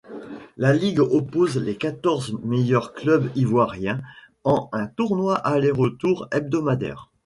La ligue oppose les quatorze meilleurs clubs ivoiriens en un tournoi aller-retour hebdomadaire.